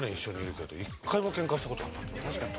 確かに。